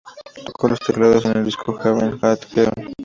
Tocó los teclados en el disco "Heaven and Hell".